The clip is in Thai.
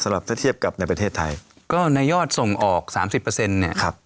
สำหรับถ้าเทียบกับในประเทศไทยก็ในยอดส่งออกสามสิบเปอร์เซ็นต์เนี่ยครับ